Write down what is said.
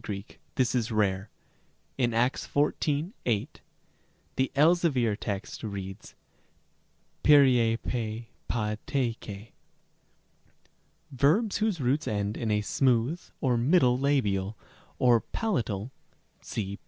Greek this is rare. In Acts xiv. 8, the Elzevir text reads περίεπε WAT KEL Rem. c. Verbs whose roots end in a smooth or middle labial or pala tal (see p.